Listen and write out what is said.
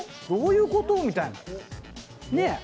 どういうこと？みたいな。